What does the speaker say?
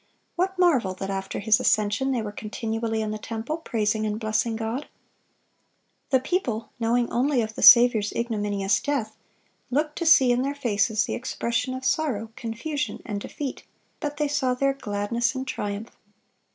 What marvel that after His ascension they "were continually in the temple, praising and blessing God." The people, knowing only of the Saviour's ignominious death, looked to see in their faces the expression of sorrow, confusion, and defeat; but they saw there gladness and triumph.